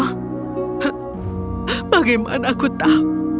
oh bagaimana aku tahu